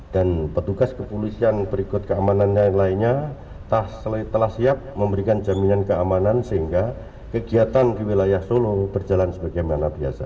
dan petugas kepolisian berikut keamanan yang lainnya telah siap memberikan jaminan keamanan sehingga kegiatan di wilayah solo berjalan sebagaimana biasa